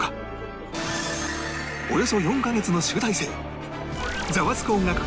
およそ４カ月の集大成ザワつく！